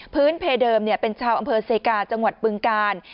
พื้นเพลเดิมเนี่ยเป็นชาวอำเภอเซกาจังหวัดปรึงกาล